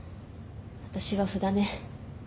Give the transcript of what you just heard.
私は歩だね。